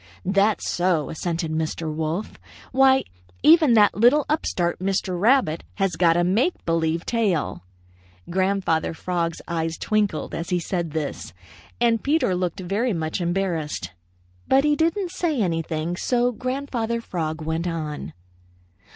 "'That's so,' assented Mr. Wolf. 'Why, even that little upstart, Mr. Rabbit, has got a make believe tail.'" Grandfather Frog's eyes twinkled as he said this, and Peter looked very much embarrassed. But he didn't say anything, so Grandfather Frog went on.